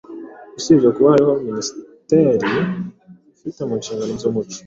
Usibye kuba hariho Minisiteri ifite mu nshingano iby’umuco